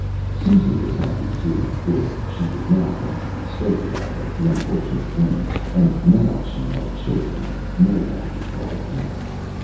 Susan was happy too, for she did not want to be spoken of as the unfortunate woman, and now she had children no one could call her that.